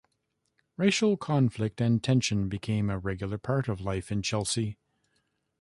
Racial conflict and tension became a regular part of life in Chelsea.